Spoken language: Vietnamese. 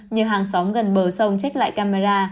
như hàng xóm gần bờ sông check lại camera